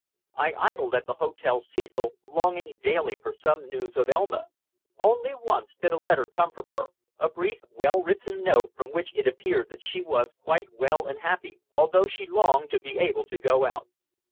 I idled at the Hotel Cecil longing daily for news of Elma. Only once did a letter come from her, a brief, well written note from which it appeared that she was quite well and happy, although she longed to be able to go out.